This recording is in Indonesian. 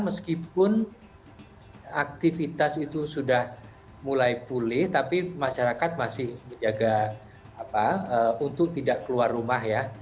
meskipun aktivitas itu sudah mulai pulih tapi masyarakat masih menjaga untuk tidak keluar rumah ya